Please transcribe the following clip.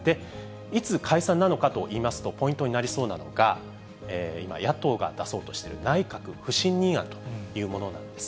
いつ解散なのかといいますと、ポイントになりそうなのが、今、野党が出そうとしている内閣不信任案というものなんです。